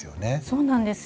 そうなんです。